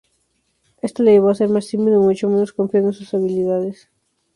Esto le llevó a ser más tímido y mucho menos confiado en sus habilidades.